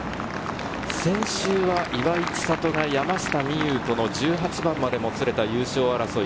先週は岩井千怜が山下美夢有との１８番まで、もつれた優勝争い。